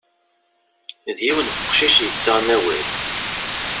D yiwen n uqcic yettaɣen awal.